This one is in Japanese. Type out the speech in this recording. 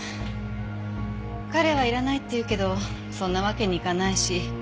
彼はいらないって言うけどそんなわけにいかないし。